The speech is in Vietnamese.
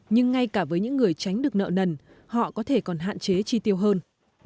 nhưng ngay cả với những người tránh được nợ nần họ có thể còn hạn chế chi tiêu hơn